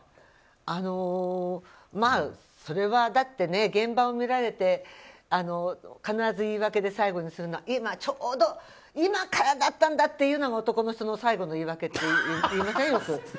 それは、だって現場を見られて必ず言い訳で、最後にするのは今、ちょうど今からだったんだというのが最後の言い訳といいません？